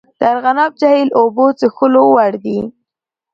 د ارغنداب جهیل اوبه څښلو وړ دي؟